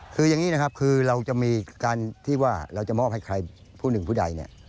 คืออย่างนี้นะครับคือเราจะมีการที่ว่าเราจะมอบให้ใครผู้หนึ่งผู้ใดเนี่ย